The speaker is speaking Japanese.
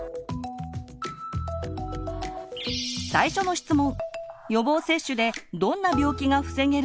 最初の質問！